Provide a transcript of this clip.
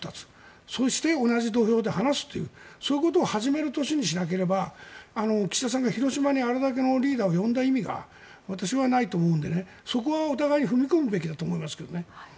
そして同じ土俵で話すというそういうことを始める年にしなければ岸田さんが広島にあれだけのリーダーを呼んだ意味が私はないと思うのでそこはお互い踏み込むべきだと思いますけどね。